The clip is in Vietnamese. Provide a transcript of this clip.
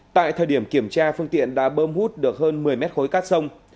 tại thời điểm kiểm tra phương tiện đã bơm hút được hơn một mươi mét khối cát sông